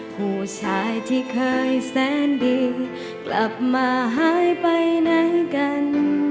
ผู้ชายที่เคยแสนดีกลับมาหายไปไหนกัน